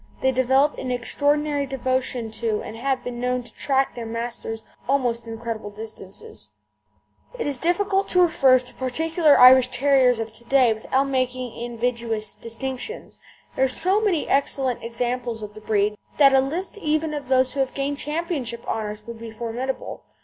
They develop an extraordinary devotion to and have been known to track their masters almost incredible distances. [Illustration: MR. FRED W. BREAKELL'S IRISH TERRIER CH. KILLARNEY SPORT] It is difficult to refer to particular Irish Terriers of to day without making invidious distinctions. There are so many excellent examples of the breed that a list even of those who have gained championship honours would be formidable.